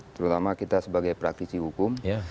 terutama kita sebagai praktisi hukum